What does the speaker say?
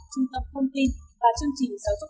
trung tâm thông tin và chương trình giáo dục